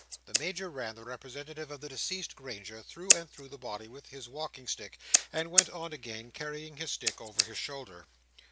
The Major ran the representative of the deceased Granger through and through the body with his walking stick, and went on again, carrying his stick over his shoulder.